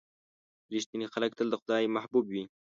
• رښتیني خلک تل د خدای محبوب وي.